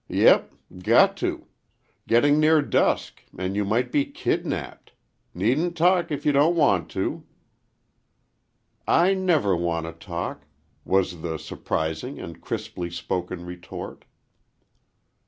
"Yep. Gotto. Getting near dusk, and you might be kidnapped. Needn't talk if you don't want to." "I never want to talk!" was the surprising and crisply spoken retort.